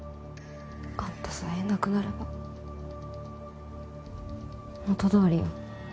あんたさえいなくなれば元通りよ。